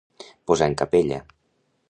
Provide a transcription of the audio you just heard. Posar en capella.